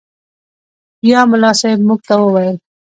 بيا ملا صاحب موږ ته وويل.